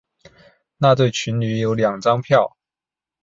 那对情侣有两张票